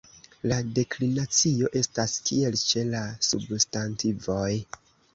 La deklinacio estas kiel ĉe la substantivoj.